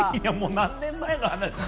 何年前の話よ！